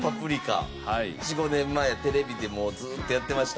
４５年前テレビでもうずーっとやってました。